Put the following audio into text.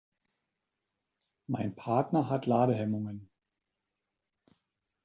Mein Partner hat Ladehemmungen.